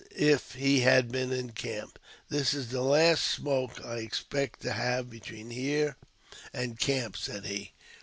if he had been in camp. " This is the last smoke I expect to have between here and camp," said he.